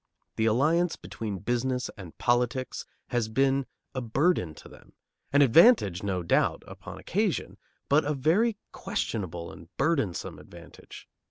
The alliance between business and politics has been a burden to them, an advantage, no doubt, upon occasion, but a very questionable and burdensome advantage.